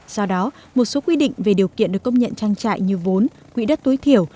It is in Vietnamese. do đó một số quy định về điều kiện được công nhận trang trại như vốn quỹ đất tối thiểu